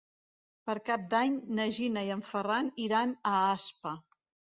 Per Cap d'Any na Gina i en Ferran iran a Aspa.